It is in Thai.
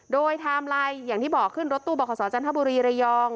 โดยไทม์ไลน์อย่างที่บอกขึ้นรถตู้บอกขอสจันทบุรีระยอง